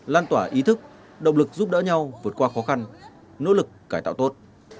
lan tỏa ý thức động lực giúp đỡ nhau vượt qua khó khăn nỗ lực cải tạo tốt